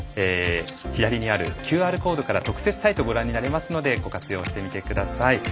左にあるＱＲコードから特設サイトご覧になれますのでご活用してみてください。